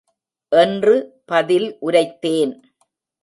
என்று பதில் உரைத்தேன்.